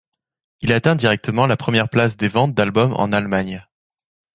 Il atteint directement la première place des ventes d'album en Allemagne.